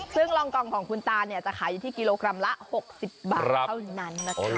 ซึ่งรองกองของคุณตาเนี่ยจะขายอยู่ที่กิโลกรัมละ๖๐บาทเท่านั้นนะคะ